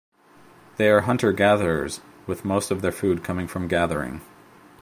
They are hunter-gatherers, with most of their food coming from gathering.